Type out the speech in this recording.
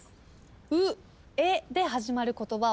「うえ」で始まる言葉